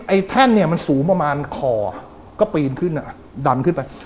แท่นเนี่ยมันสูงประมาณคอก็ปีนขึ้นดันขึ้นไป